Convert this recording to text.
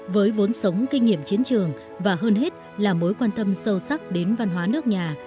với vốn sống kinh nghiệm chiến trường và hơn hết là mối quan tâm sâu sắc đến văn hóa nước nhà